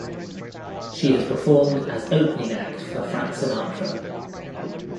She has performed as opening act for Frank Sinatra.